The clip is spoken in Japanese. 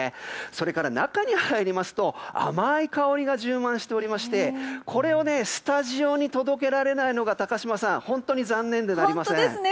それから中に入りますと甘い香りが充満しておりましてこれをスタジオに届けられないのが高島さん、本当に残念ですね。